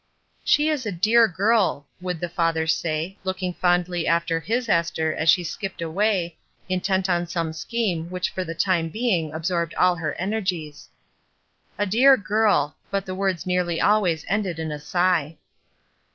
''She is a dear girl," would the father say, looking fondly after his Esther as she skipped away, intent upon some scheme which for the time being absorbed all her energies. ''A dear girl," but the words nearly always ended in a sigh.